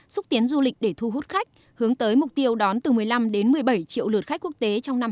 xúc tiến du lịch để thu hút khách hướng tới mục tiêu đón từ một mươi năm một mươi bảy triệu lượt khách quốc tế trong năm hai nghìn hai mươi